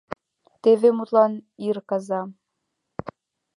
Теве, мутлан, ир каза.